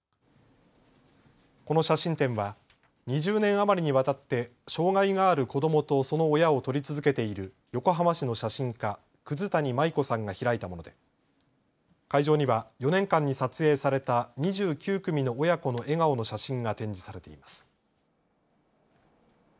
この写真展は、２０年余りにわたって、障害がある子どもとその親を撮り続けている、横浜市の写真家、葛谷舞子さんが開いたもので、会場には、４年間に撮影された２９組の親子の笑顔の写真が展示されています。